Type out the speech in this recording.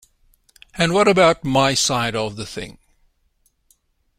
And what about my side of the thing?